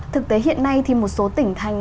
thực tế hiện nay thì một số tỉnh thành